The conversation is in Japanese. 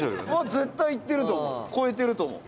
絶対いってると思う。超えてると思う。